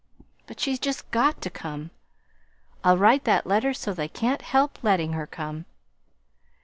But she's just got to come. I'll write that letter so they can't help letting her come!"